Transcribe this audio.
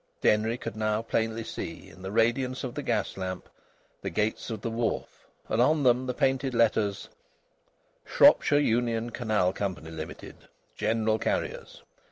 Denry could now plainly see, in the radiance of a gas lamp, the gates of the wharf, and on them the painted letters: SHROPSHIRE UNION CANAL COY., LTD., GENERAL CARRIERS.